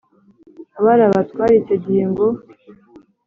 abari abatware icyo gihe ngo